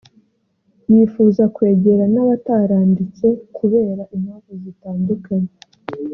bifuza kwegera n’abataranditse kubera impamvu zitandukanye